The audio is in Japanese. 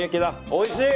おいしい！